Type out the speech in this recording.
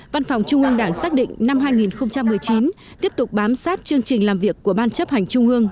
văn phòng trung ương đảng xác định năm hai nghìn một mươi chín tiếp tục bám sát chương trình làm việc của ban chấp hành trung ương